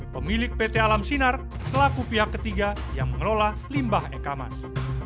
pemilik pt alam sinar selaku pihak ketiga yang mengelola limbah eka mas